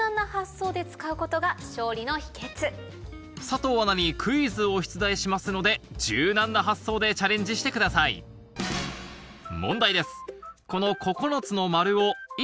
佐藤アナにクイズを出題しますので柔軟な発想でチャレンジしてください問題です